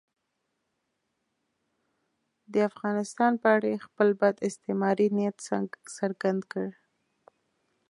د افغانستان په اړه یې خپل بد استعماري نیت څرګند کړ.